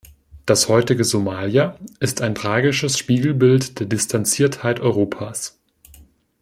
Das heutige Somalia ist ein tragisches Spiegelbild der Distanziertheit Europas.